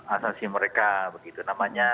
asasi mereka begitu namanya